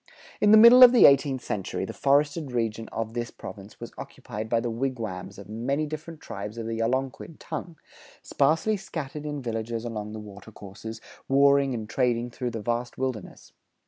In the middle of the eighteenth century, the forested region of this province was occupied by the wigwams of many different tribes of the Algonquin tongue, sparsely scattered in villages along the water courses, warring and trading through the vast wilderness.